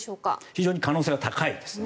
非常に可能性が高いですね。